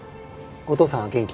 お父さんは元気？